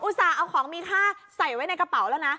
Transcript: ส่าห์เอาของมีค่าใส่ไว้ในกระเป๋าแล้วนะ